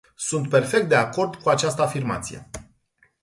Sunt perfect de acord cu această afirmație.